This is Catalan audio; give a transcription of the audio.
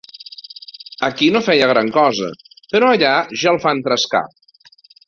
Aquí no feia gran cosa, però allà ja el fan trescar!